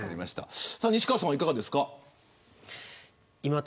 西川さん、いかがですか。